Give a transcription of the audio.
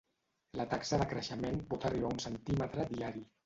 La taxa de creixement pot arribar a un centímetre diari.